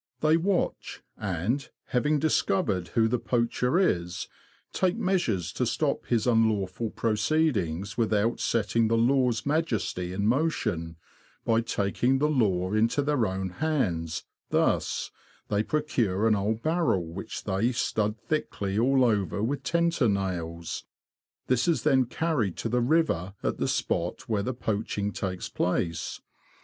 They watch, and, having discovered who the poacher is, take measures to stop his unlawful proceedings without setting the law's majesty in motion, by taking the law into their own hands, thus : They procure an old barrel, which they stud thickly all over with tenter nails ; this is then carried to the river at the spot where the poaching takes place.